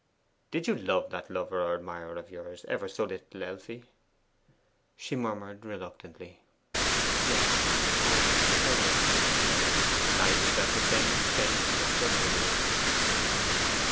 'Did you love that lover or admirer of yours ever so little, Elfie?' She murmured reluctantly, 'Yes, I think I did.' Knight felt the same faint touch of misery.